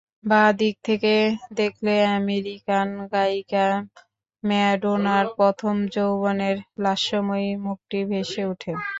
বাঁ দিক থেকে দেখলে আমেরিকান গায়িকা ম্যাডোনার প্রথম যৌবনের লাস্যময়ী মুখটি ভেসে ওঠে।